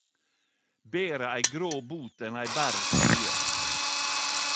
Betre ei grå bot enn ei berr side